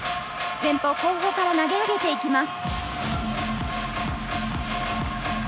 前方後方から投げ上げていきます。